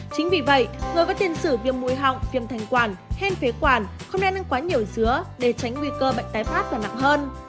chính vì vậy người có tiền sử viêm mũi họng viêm thành quản hen phế quản không nên ăn quá nhiều dứa để tránh nguy cơ bệnh tái phát và nặng hơn